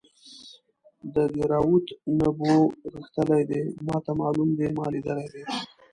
د دیراوت نبو غښتلی دی ماته معلوم دی ما لیدلی دی.